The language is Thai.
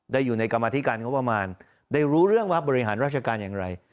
อยู่ในกรรมธิการงบประมาณได้รู้เรื่องว่าบริหารราชการอย่างไร